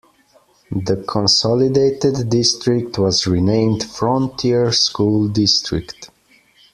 The consolidated district was renamed Frontier School District.